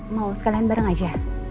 mau sekalian bareng aja